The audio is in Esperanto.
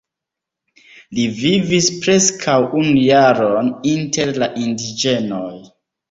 Li vivis preskaŭ unu jaron inter la indiĝenoj.